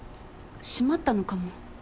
閉まったのかも。